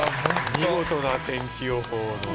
見事な天気予報で。